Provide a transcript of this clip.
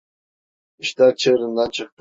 İşler çığırından çıktı.